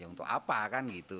untuk apa kan gitu